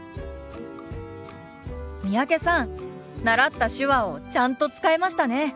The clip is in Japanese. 三宅さん習った手話をちゃんと使えましたね。